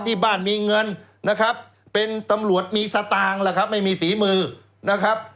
ที่บ้านมีเงินนะครับเป็นตำรวจมีสตางค์ล่ะครับไม่มีฝีมือนะครับ